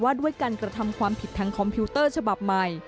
ด้วยการกระทำความผิดทางคอมพิวเตอร์ฉบับใหม่